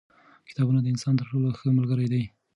کتابونه د انسان تر ټولو ښه ملګري دي.